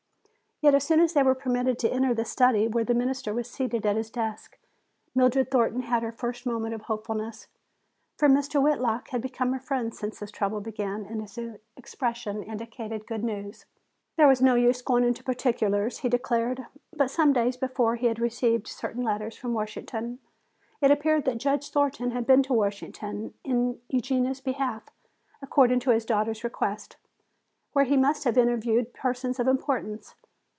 Yet as soon as they were permitted to enter the study where the Minister was seated at his desk, Mildred Thornton had her first moment of hopefulness. For Mr. Whitlock had become her friend since this trouble began and his expression indicated good news. "There was no use going into particulars," he declared, "but some days before he had received certain letters from Washington. It appeared that Judge Thornton had been to Washington in Eugenia's behalf, according to his daughter's request, where he must have interviewed persons of importance."